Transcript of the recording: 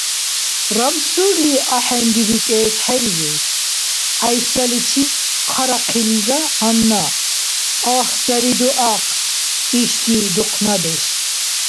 Рамсурли ахӀенририкӀес хӀерирус. ГӀяйсаличи хъаряхъилра гьанна. Агь, сари дугӀахъ, ишди духънадеш!